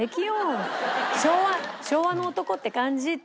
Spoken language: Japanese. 昭和昭和の男って感じって。